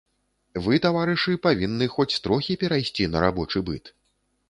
Вы, таварышы, павінны хоць трохі перайсці на рабочы быт.